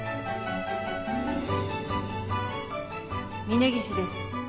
峰岸です。